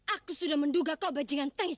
aku sudah menduga kau bajingan tangan